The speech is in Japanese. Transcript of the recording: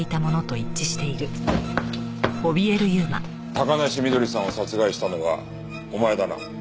高梨翠さんを殺害したのはお前だな。